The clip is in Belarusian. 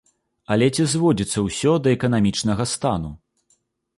Але ці зводзіцца ўсё да эканамічнага стану?